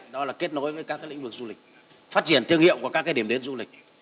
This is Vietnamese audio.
đó là kết nối với các lĩnh vực du lịch phát triển thương hiệu của các điểm đến du lịch